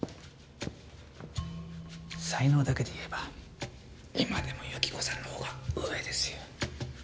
才能だけで言えば今でも由希子さんのほうが上ですよ。